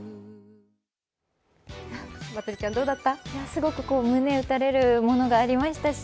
すごく胸打たれるものがありましたし